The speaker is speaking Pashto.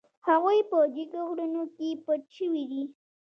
هغوی په جګو غرونو کې پټ شوي دي.